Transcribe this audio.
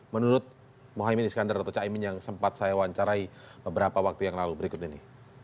menurut mohaimin iskandar atau caimin yang sempat saya wawancarai beberapa waktu yang lalu berikut ini